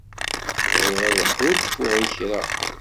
bɣiɣ ad ḥulfuɣ i kra.